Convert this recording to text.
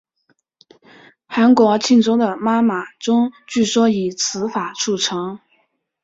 韩国庆州的妈妈钟据说以此法铸成。